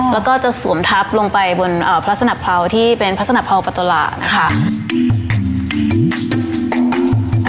อ๋อแล้วก็จะสวมทับลงไปบนพระสนาปเผาที่เป็นพระสนาปเผาเปิตรละค่ะ